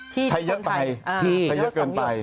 ที่คนไทยใช้เยอะเกินไป